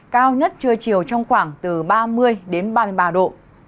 cao nhất trưa chiều trong khoảng từ ba mươi đến ba mươi ba độ